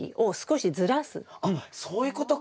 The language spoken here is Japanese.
あっそういうことか。